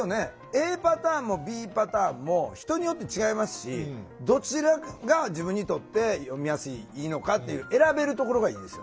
ＡパターンもＢパターンも人によって違いますしどちらが自分にとって読みやすいのかっていう選べるところがいいですよね。